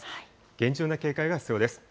厳重な警戒が必要です。